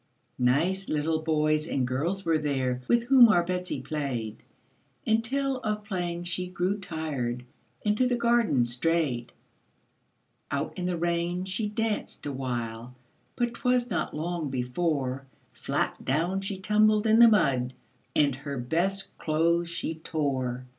Nice little boys and girls were there, With whom our Betsy played, Until of playing she grew tired, And to the garden strayed. Out in the rain she danced awhile, But 'twas not long before Flat down she tumbled in the mud, And her best clothes she tore.